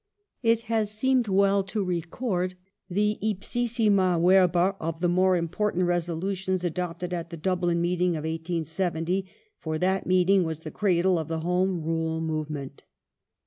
I It has seemed well to record the ipsissima verba of the more /important resolutions adopted at the Dublin meeting of 1870, for I that meeting was the cradle of the Home Rule movement.